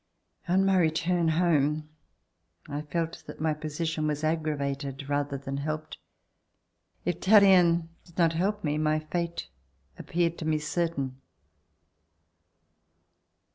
On my return home, I felt that my position was C158] LIFE AT BORDEAUX aggravated ratlicr than helped. If Tallien did not help me, my fate appeared to me certain.